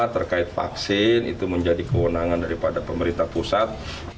terkait vaksin itu menjadi kewenangan daripada pemerintah pusat